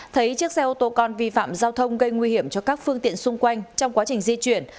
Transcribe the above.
thấy chiếc xe ô tô con vi phạm giao thông gây nguy hiểm cho các phương tiện xung quanh trong quá trình di chuyển